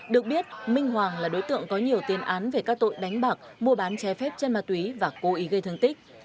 được biết minh hoàng là đối tượng có nhiều tiền án về các tội đánh bạc mua bán trái phép chân ma túy và cố ý gây thương tích